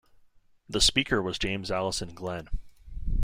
The Speaker was James Allison Glen.